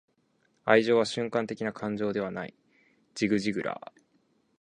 愛情は瞬間的な感情ではない.―ジグ・ジグラー―